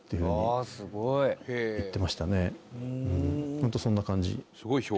ホントそんな感じ。